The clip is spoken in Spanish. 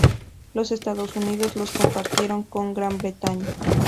Los Estados Unidos los compartieron con Gran Bretaña.